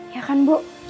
ya kan bu